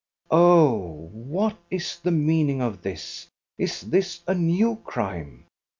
" Oh ! what is the meaning of this } Is this a new crime.?